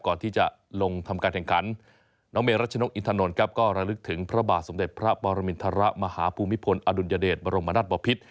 ก่อนที่จะลงทำการแข่งขันน้องเมรัชนกอินทนนท์ครับก็ระลึกถึงพระบาทสมเด็จพระปรมินทรมาฮภูมิพลอดุลยเดชบรมนาศบพิษ